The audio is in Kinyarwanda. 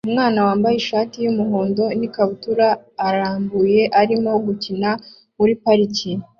Umwana wambaye ishati y'umuhondo n'ikabutura irambuye arimo gukina muri parike